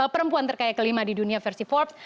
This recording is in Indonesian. perempuan terkaya kelima di dunia versi forbes